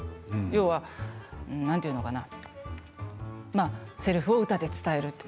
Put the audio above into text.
要は何て言うのかなせりふを歌で伝えると。